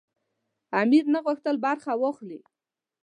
امیر نه غوښتل برخه واخلي.